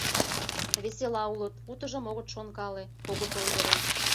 Весела улыт, утыжым огыт шонкале, огыт ойгыро.